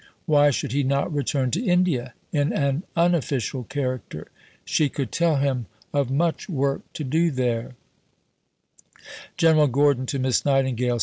Why should he not return to India in an unofficial character? She could tell him of much work to do there: (_General Gordon to Miss Nightingale.